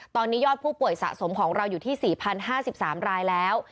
ตอนนี้ยอดผู้ป่วยสะสมของเราอยู่ที่๔๐๕๓รายแล้ว